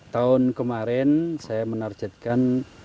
tahun kemarin saya menarjetkan